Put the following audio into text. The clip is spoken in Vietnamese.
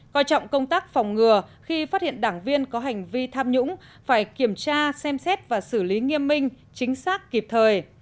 coi trọng công tác phòng ngừa khi phát hiện đảng viên có hành vi tham nhũng phải kiểm tra xem xét và xử lý nghiêm minh chính xác kịp thời